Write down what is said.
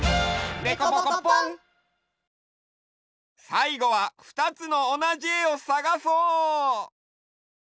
さいごはふたつのおなじえをさがそう！